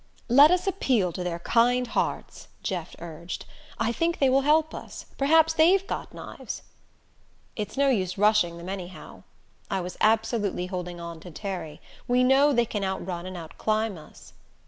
"Let us appeal to their kind hearts," Jeff urged. "I think they will help us. Perhaps they've got knives." "It's no use rushing them, anyhow," I was absolutely holding on to Terry. "We know they can out run and out climb us."